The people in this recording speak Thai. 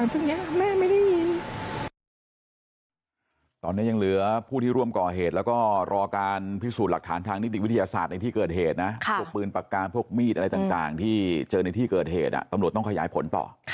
หลังจากนี้แม่ไม่ได้ยิน